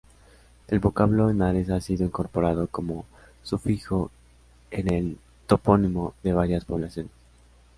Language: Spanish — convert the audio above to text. El vocablo "henares" ha sido incorporado, como sufijo, en el topónimo de varias poblaciones.